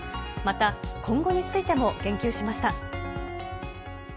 また、今後についても言及しました。